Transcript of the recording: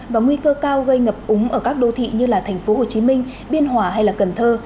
và nguy cơ cao gây ngập úng ở các đô thị như thành phố hồ chí minh biên hòa hay cần thơ